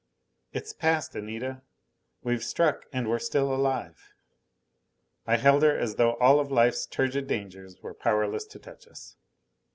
"It's past, Anita! We've struck, and we're still alive." I held her as though all of life's turgid dangers were powerless to touch us.